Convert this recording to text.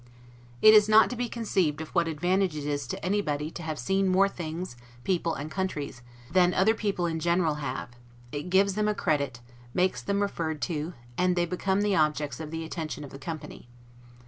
It is not to be conceived of what advantage it is to anybody to have seen more things, people, and countries, than other people in general have; it gives them a credit, makes them referred to, and they become the objects of the attention of the company.